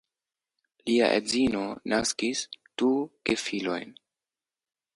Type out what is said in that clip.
Lia edzino naskis du gefilojn.